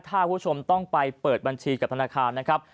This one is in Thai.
ถ้าคุณผู้ชมต้องไปเปิดบัญชีกับธนาคารนะครับ